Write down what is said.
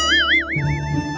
gak ada kecepatan